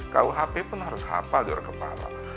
kuhp pun harus hafal di luar kepala